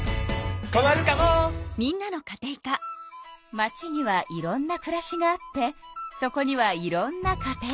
街にはいろんなくらしがあってそこにはいろんなカテイカが。